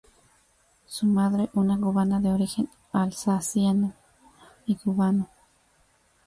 Su madre, una cubana de origen alsaciano y cubano.